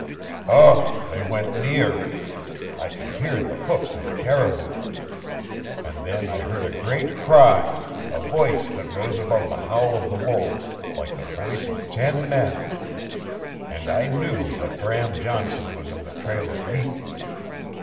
UGH! they went near. I could hear the hoofs of the caribou. And then I heard a great cry, a voice that rose above the howl of the wolves like the voice of ten men, and I knew that Bram Johnson was on the trail of meat.